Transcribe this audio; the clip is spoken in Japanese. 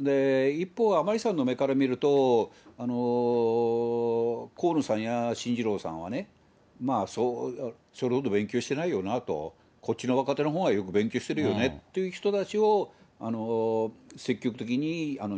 一方、甘利さんの目から見ると、河野さんや進次郎さんは、それほど勉強してないよなと、こっちの若手のほうがよく勉強してるよねっていう人たちを積極的これ